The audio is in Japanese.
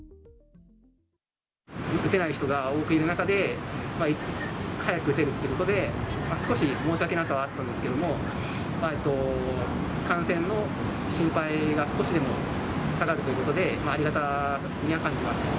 打ってない人が多くいる中で、早く打てるということで、少し申し訳なさはあったんですけれども、感染の心配が少しでも下がるということで、ありがたいと感じます。